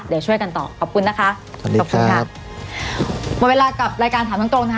เดี๋ยวช่วยกันต่อขอบคุณนะคะสวัสดีครับขอบคุณครับวันเวลากับรายการถามตรงตรงนะคะ